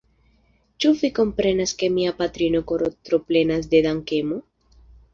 Ĉu vi komprenas ke mia patrino koro troplenas de dankemo?